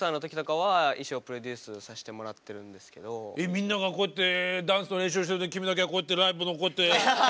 みんながこうやってダンスの練習をしてる時君だけはこうやってライブのこうやって。